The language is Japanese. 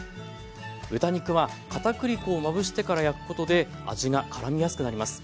豚肉は片栗粉をまぶしてから焼くことで味がからみやすくなります。